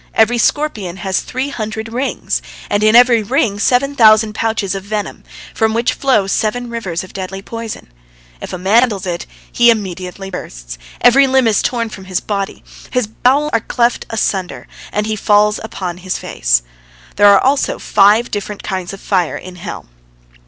Every scorpion has three hundred rings, and in every ring seven thousand pouches of venom, from which flow seven rivers of deadly poison. If a man handles it, he immediately bursts, every limb is torn from his body, his bowels are cleft asunder, and he falls upon his face. There are also five different kinds of fire in hell.